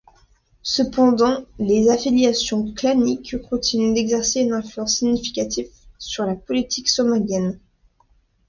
Cependant, les affiliations claniques continuent d'exercer une influence significative sur la politique somalienne.